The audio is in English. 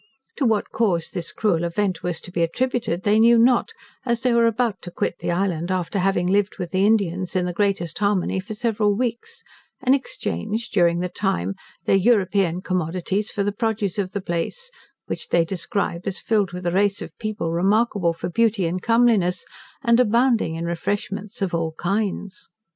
To what cause this cruel event was to be attributed, they knew not, as they were about to quit the island after having lived with the Indians in the greatest harmony for several weeks; and exchanged, during the time, their European commodities for the produce of the place, which they describe as filled with a race of people remarkable for beauty and comeliness; and abounding in refreshments of all kinds.